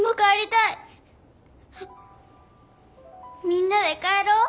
みんなで帰ろう。